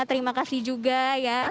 terima kasih juga ya